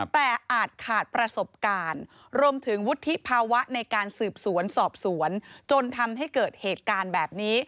แต่อาจขาดประสบการณ์รวมถึงวุฒิภาวะในการสืบสวนสอบสวนจนทำให้เกิดเหตุการณ์แบบนี้